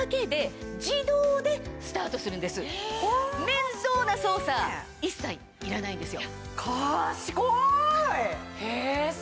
面倒な操作一切いらないんですよ。